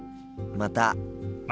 また。